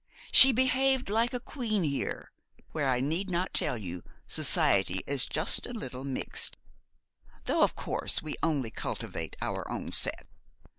She behaved like a queen here, where I need not tell you society is just a little mixed; though, of course, we only cultivate our own set.